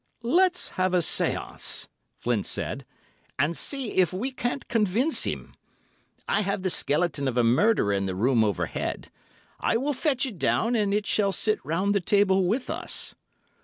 "Let's have a séance," Flynn said, "and see if we can't convince him. I have the skeleton of a murderer in the room overhead. I will fetch it down, and it shall sit round the table with us."